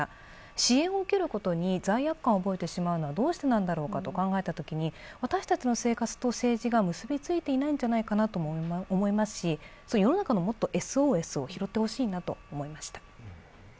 支援を受けることに罪悪感を覚えてしまうのはどうしてなんだろうかと考えたときに私たちの生活と政治が結びついていないんじゃないかなと思いますし世の中のもっとＳＯＳを拾ってほしいなと思いました。